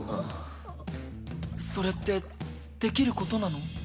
それってできる事なの？